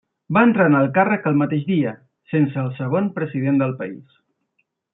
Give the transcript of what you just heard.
Va entrar en el càrrec el mateix dia, sent el segon president del país.